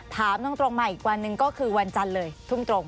ถามตรงมาอีกวันหนึ่งก็คือวันจันทร์เลยทุ่มตรง